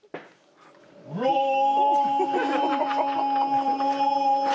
ロー！